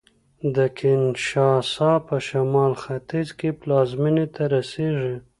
د کینشاسا په شمال ختیځ کې پلازمېنې ته رسېږي